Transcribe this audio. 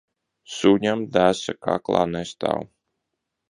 Suņam desa kaklā nestāv.